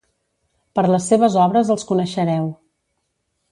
Per les seves obres els coneixereu.